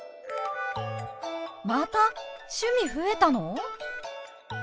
また趣味増えたの！？